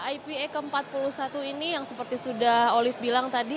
ipa ke empat puluh satu ini yang seperti sudah olive bilang tadi